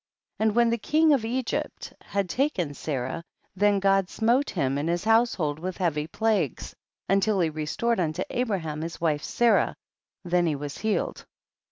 30. And when the king of Egypt had taken Sarah then God smote him and his household with heavy plagues, until he restored unto Abraham his wife Sarah, then was he healed.